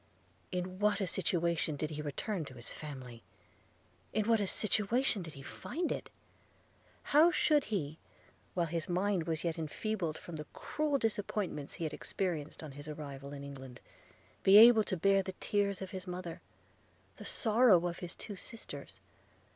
In what a situation did he return to his family! in what a situation did he find it! How should he, while his mind was yet enfeebled from the cruel disappointments he had experienced on his arrival in England, be able to bear the tears of his mother, the sorrow of his two sisters?